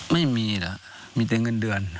ไม่มีเหรอมีเงินเดือน๖๐๐